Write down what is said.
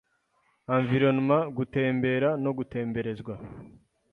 Environment gutembera no gutemberezwa